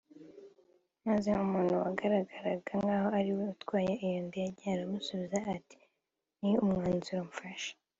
maze umuntu wagaragaraga nk’aho ari we utwaye iyo ndege aramusubiza ati ” ni umwanzuro mfashe